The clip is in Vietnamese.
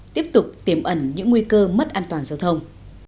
tiếp tục tiềm ẩn những nguy cơ mất an toàn giao thông